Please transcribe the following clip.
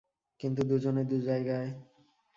কিন্তু দুজনে দু জায়গায়।